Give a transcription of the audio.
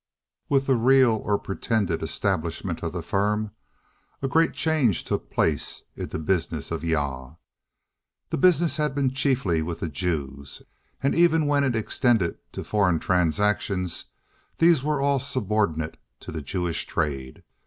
With the real or pretended establishment of the Firm, a great change took place in the business of Jah. This business had been chiefly with the Jews, and even when it extended to foreign transactions, these were all subordinate to the Jewish trade.